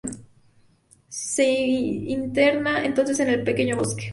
Se interna entonces en un pequeño bosque.